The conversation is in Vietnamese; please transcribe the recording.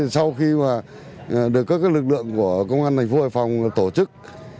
sau khi được các lực lượng của công an thành phố hải phòng tổ chức